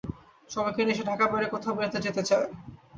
সবাইকে নিয়ে সে ঢাকার বাইরে কোথাও বেড়াতে যেতে চায়।